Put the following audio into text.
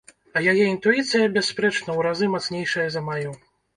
А яе інтуіцыя, бясспрэчна, у разы мацнейшая за маю.